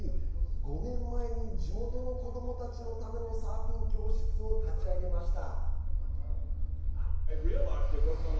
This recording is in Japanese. ５年前に地元の子どもたちのためのサーフィン教室を立ち上げました。